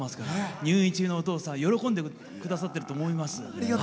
入院中のお父さん喜んでくださってると思います。